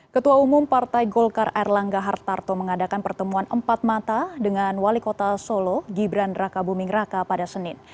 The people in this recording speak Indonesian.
ketua umum partai golkar erlangga hartarto mengadakan pertemuan empat mata dengan wali kota solo gibran raka buming raka pada senin